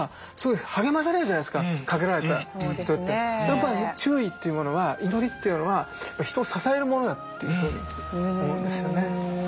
やっぱり注意っていうものは祈りっていうのは人を支えるものだっていうふうに思うんですよね。